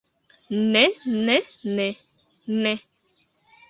Ne ne ne. Ne!